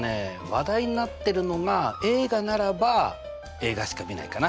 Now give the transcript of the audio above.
話題になってるのが映画ならば映画しかみないかな。